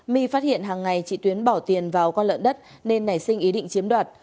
my phát hiện hàng ngày chị tuyến bỏ tiền vào con lợn đất nên nảy sinh ý định chiếm đoạt